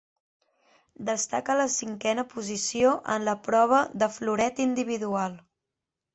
Destaca la cinquena posició en la prova de floret individual.